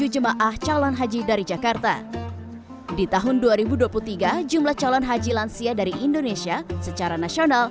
jemaah calon haji dari jakarta di tahun dua ribu dua puluh tiga jumlah calon haji lansia dari indonesia secara nasional